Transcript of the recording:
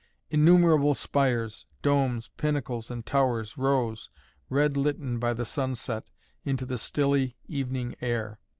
Innumerable spires, domes, pinnacles and towers rose, red litten by the sunset, into the stilly evening air.